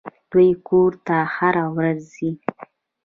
دوى کور ته هره ورځ ځي.